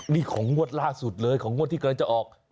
นี่ของงวดล่าสุดเลยของงวดที่กำลังจะออก